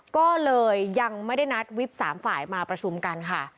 ก็เลยยังไม่ได้นัดวิป๓ฝ่ายมาประชุมกันค่ะ